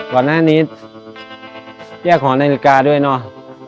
ข้างหน้านี้แยกห่อโนเยอูอิงกฎาคร์ด้วยเนอะ